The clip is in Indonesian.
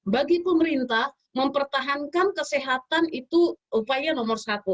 bagi pemerintah mempertahankan kesehatan itu upaya nomor satu